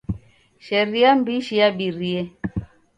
Sharia m'bishi yabirie.